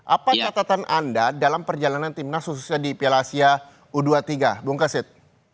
apa catatan anda dalam perjalanan timnas khususnya di piala asia u dua puluh tiga bung kasit